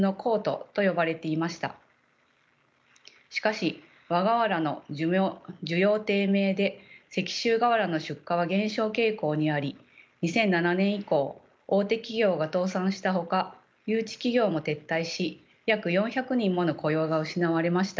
しかし和瓦の需要低迷で石州瓦の出荷は減少傾向にあり２００７年以降大手企業が倒産したほか誘致企業も撤退し約４００人もの雇用が失われました。